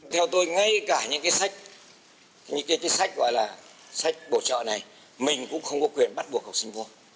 theo tôi ngay cả những cái sách những cái sách gọi là sách bổ trợ này mình cũng không có quyền bắt buộc học sinh mua